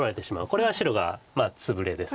これは白がツブレです。